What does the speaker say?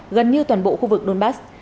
gần như toàn bộ khu vực donbass